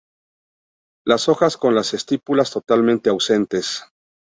Las hojas con las estípulas totalmente ausentes.